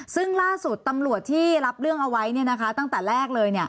ซึ่งล่าสุดตำรวจที่รับเรื่องเอาไว้ตั้งแต่แรกเลย